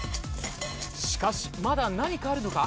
しかしまだ何かあるのか？